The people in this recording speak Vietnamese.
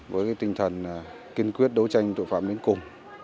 với tinh thần kiên quyết đấu tranh tội phạm đến cùng